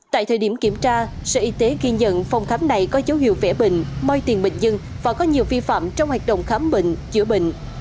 tại thời điểm kiểm tra sở y tế ghi nhận phòng khám này có dấu hiệu vẽ bệnh moi tiền bệnh dưng và có nhiều vi phạm trong hoạt động khám bệnh chữa bệnh